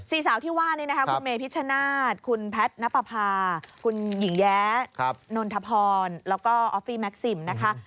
สาวที่ว่านี่นะคะคุณเมพิชชนาธิ์คุณแพทย์นับประพาคุณหญิงแย้นนทพรแล้วก็ออฟฟี่แม็กซิมนะคะ